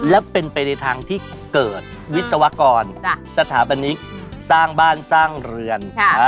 และเป็นไปในทางที่เกิดวิศวกรสถาปนิกสร้างบ้านสร้างเรือน